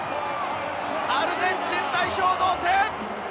アルゼンチン代表、同点！